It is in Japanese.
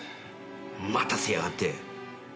待たせやがって。